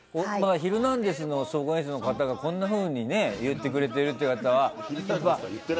「ヒルナンデス！」の総合演出の方がこんなふうに言ってくれてるということは。